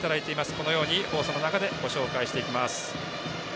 このように放送の中でご紹介していきます。